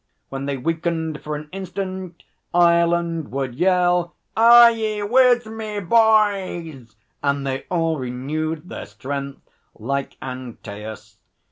When they weakened for an instant, Ireland would yell: 'Are ye with me, bhoys?' and they all renewed their strength like Antaeus.